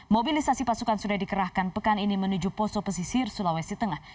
mobilisasi pasukan sudah dikerahkan pekan ini menuju poso pesisir sulawesi tengah